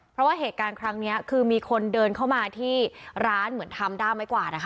เพราะว่าเหตุการณ์ครั้งนี้คือมีคนเดินเข้ามาที่ร้านเหมือนทำด้ามไม้กวาดนะคะ